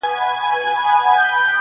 اې گل گوتې څوڼې دې، ټک کایتک کي مه اچوه